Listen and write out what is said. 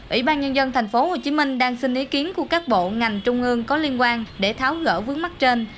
ủy ban nhân dân tp hcm đang xin ý kiến của các bộ ngành trung ương có liên quan để tháo gỡ vướng mắt trên